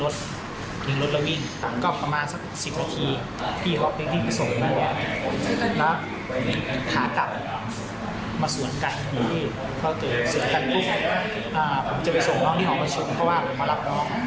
พอเจอกันพรุ่งก็ลงมาเขาวิ่งใส่เครียมนะครับ